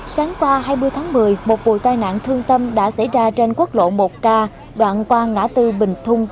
sáng qua hai mươi tháng một mươi một vụ tai nạn thương tâm đã xảy ra trên quốc lộ một k đoạn qua ngã tư bình thung